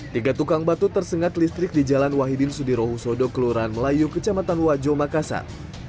tiga tukang batu tersengat listrik di jalan wahidin sudirohusodo kelurahan melayu kecamatan wajo makassar